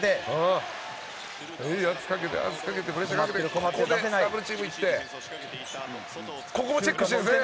ここで、ダブルチームいってここもチェックしてるんですね